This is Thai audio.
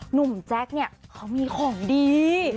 หนุ่มแจ๊กเนี่ยเค้ามีของดี